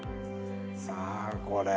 さあこれ。